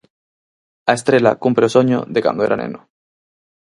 A estrela cumpre o soño de cando era neno.